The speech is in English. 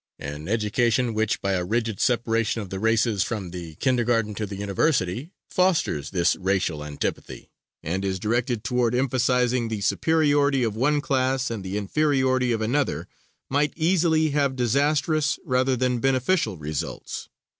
An education which by a rigid separation of the races from the kindergarten to the university, fosters this racial antipathy, and is directed toward emphasizing the superiority of one class and the inferiority of another, might easily have disastrous, rather than beneficial results.